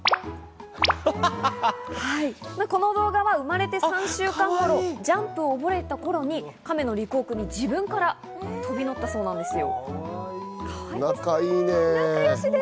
この動画は生まれて３週間頃、ジャンプを覚えた頃にカメのりくちゃんに自分から飛び乗ったそうなんですよ。